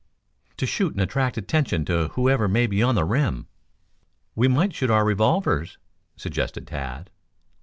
"To shoot and attract attention of whoever may be on the rim." "We might shoot our revolvers," suggested Tad.